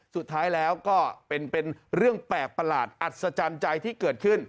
สุดท้ายแล้วก็เป็นเรื่องแปลกประหลาดอัศจรรย์ใจที่เกิดขึ้น